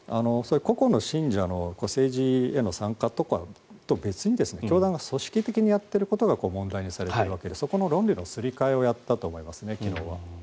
個々の信者の政治への成果とは別に教団が組織的にやっていることが問題とされているわけでそこの論理のすり替えを昨日はやったと思いますね。